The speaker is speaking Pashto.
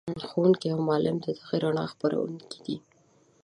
ښوونکی او معلم د دغې رڼا خپروونکی دی.